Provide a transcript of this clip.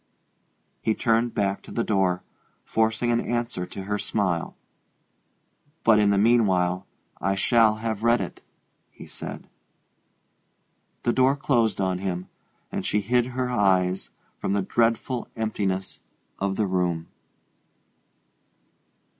He turned back to the door, forcing an answer to her smile. "But in the mean while I shall have read it," he said. The door closed on him, and she hid her eyes from the dreadful emptiness of the room.